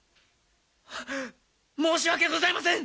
あ申し訳ございません！